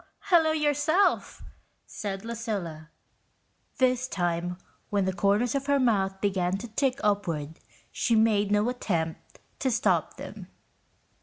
"Hello yourself," said Lucilla. This time when the corners of her mouth began to tick upward, she made no attempt to stop them.